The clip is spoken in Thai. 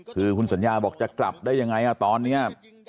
คือคุณศัลย์จะกลับได้ยังไงฮะตอนนี้